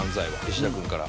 石田君から。